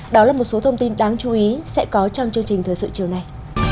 đó là một số thông tin đáng chú ý sẽ có trong chương trình thời sự chiều này